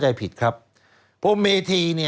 สวัสดีค่ะต้อนรับคุณบุษฎี